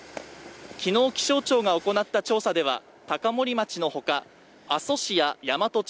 昨日気象庁が行った調査では高森町のほか阿蘇市や山都町